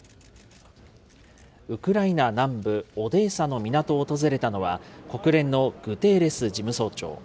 ウクライナ南部オデーサの港を訪れたのは、国連のグテーレス事務総長。